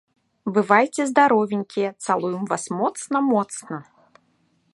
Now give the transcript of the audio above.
Бывайце здаровенькія цалуем вас моцна моцна.